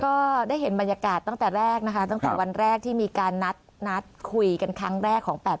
ก็ได้เห็นบรรยากาศตั้งแต่แรกนะคะตั้งแต่วันแรกที่มีการนัดคุยกันครั้งแรกของ๘๘